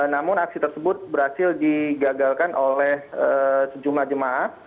namun aksi tersebut berhasil digagalkan oleh sejumlah jemaah